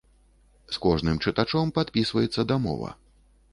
З кожным чытачом падпісваецца дамова.